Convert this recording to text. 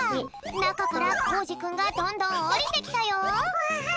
なかからコージくんがどんどんおりてきたよ。